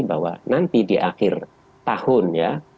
bahwa nanti di akhir tahun ya